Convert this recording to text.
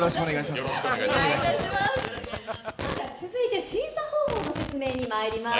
続いて審査方法の説明にまいります。